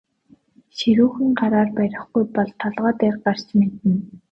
Ширүүхэн гараар барихгүй бол толгой дээр гарч мэднэ.